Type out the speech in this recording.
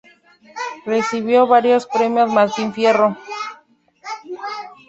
Recibió varios premios Martín Fierro